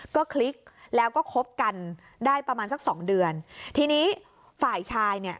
ก็คลิกแล้วก็คบกันได้ประมาณสักสองเดือนทีนี้ฝ่ายชายเนี่ย